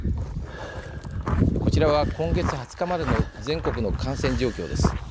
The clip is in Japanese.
こちらは今月２０日までの全国の感染状況です。